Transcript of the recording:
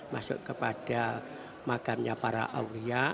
masuk kepada makamnya para aulia